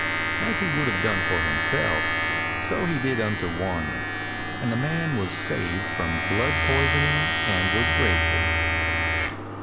As he would have done for himself, so did he unto Wanya, and the man was saved from blood poisoning and was grateful.